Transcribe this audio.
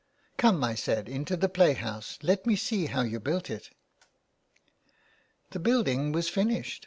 •' Come," I said, " into the play house. Let me see how you built it." The building was finished